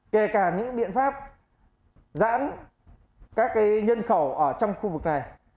kể cả những biện pháp giãn các nhân khẩu ở trong khu vực này